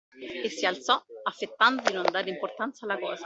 E si alzò, affettando di non dare importanza alla cosa.